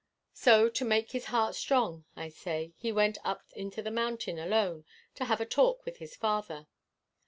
So, to make his heart strong, I say, he went up into the mountain alone to have a talk with his Father.